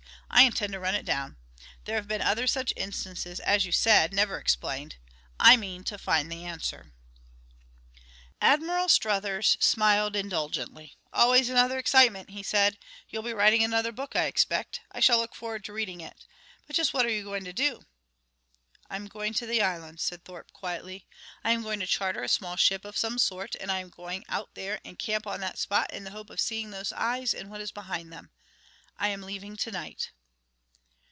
"I intend to run it down. There have been other such instances, as you said never explained. I mean to find the answer." Admiral Struthers smiled indulgently. "Always after excitement," he said. "You'll be writing another book, I expect. I shall look forward to reading it ... but just what are you going to do?" "I am going to the Islands," said Thorpe quietly. "I am going to charter a small ship of some sort, and I am going out there and camp on that spot in the hope of seeing those eyes and what is behind them. I am leaving to night."